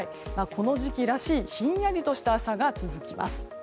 この時期らしいひんやりとした朝が続きます。